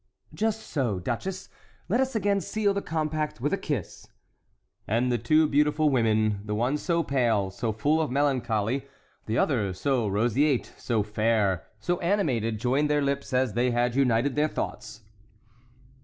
"Just so, duchess. Let us again seal the compact with a kiss." And the two beautiful women, the one so pale, so full of melancholy, the other so roseate, so fair, so animated, joined their lips as they had united their thoughts.